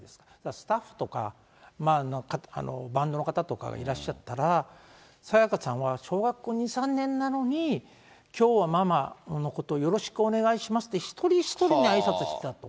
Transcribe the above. スタッフとか、バンドの方とかがいらっしゃったら、沙也加さんは小学校２、３年なのに、きょうはママのことをよろしくお願いしますって、一人一人にあいさつしてたと。